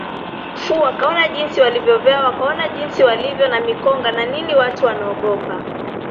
ffu wakaona jinsi walivyovaa wakaona jinsi walivyo na mikonga na nini watu wanaogopa